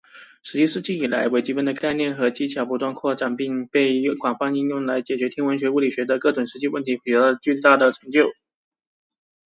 十七世纪以来，微积分的概念和技巧不断扩展并被广泛应用来解决天文学、物理学中的各种实际问题，取得了巨大的成就。